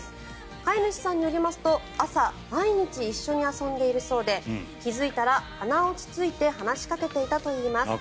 飼い主さんによりますと朝、毎日一緒に遊んでいるそうで気付いたら鼻をつついて話しかけていたといいます。